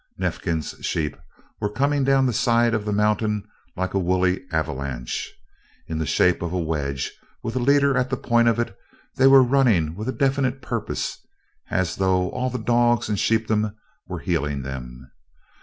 Neifkins's sheep were coming down the side of the mountain like a woolly avalanche. In the shape of a wedge with a leader at the point of it, they were running with a definite purpose and as though all the dogs in sheepdom were heeling them.